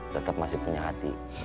tetap masih punya hati